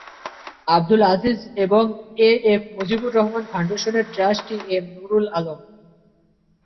আব্দুল আজিজ এবং A F Mujibur Rahman ফাউন্ডেশনের trustee M Nurul Alam.